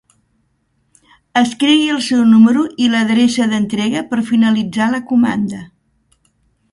Escrigui el seu número i l'adreça d'entrega per finalitzar la comanda.